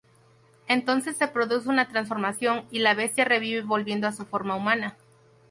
Entonces se produce una transformación y la Bestia revive volviendo a su forma humana.